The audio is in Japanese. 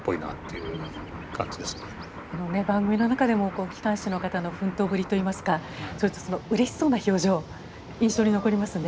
この番組の中でも機関士の方の奮闘ぶりといいますかちょっとうれしそうな表情印象に残りますね。